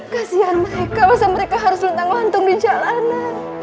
kasihan mereka masa mereka harus lontang lantung di jalanan